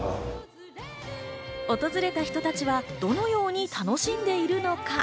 訪れた人たちはどのように楽しんでいるのか。